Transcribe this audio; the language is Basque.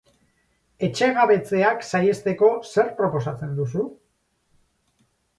Etxegabetzeak saihesteko zer proposatzen duzu?